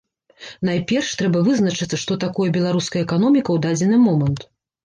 Найперш, трэба вызначыцца, што такое беларуская эканоміка ў дадзены момант.